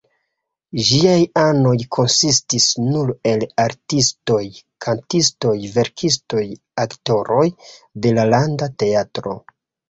Ĝiaj anoj konsistis nur el artistoj, kantistoj, verkistoj, aktoroj de la Landa Teatro.